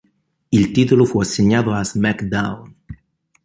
Il titolo fu assegnato a "SmackDown!